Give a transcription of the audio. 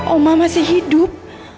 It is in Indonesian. oma masih hidup